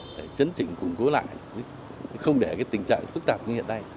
để chấn chỉnh củng cố lại không để tình trạng phức tạp như hiện nay